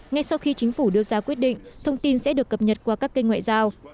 ngay sau khi chính phủ đưa ra quyết định thông tin sẽ được cập nhật qua các kênh ngoại giao